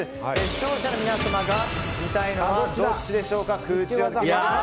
視聴者の皆様が見たいのはどっちでしょうか。